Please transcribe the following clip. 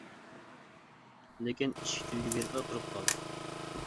لېكىن ئىشىك تۈۋىگە بېرىپلا تۇرۇپ قالدى.